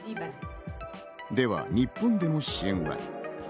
では日本での支援は？